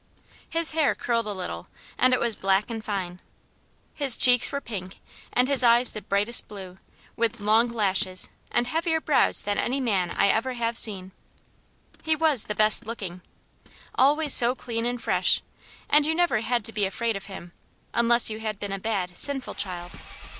His hair curled a little and it was black and fine. His cheeks were pink and his eyes the brightest blue, with long lashes, and heavier brows than any other man I ever have seen. He was the best looking always so clean and fresh, and you never had to be afraid of him, unless you had been a bad, sinful child.